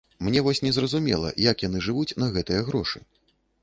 Мне вось незразумела, як яны жывуць на гэтыя грошы.